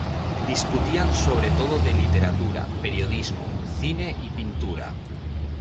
Discutían sobre todo de literatura, periodismo, cine y pintura.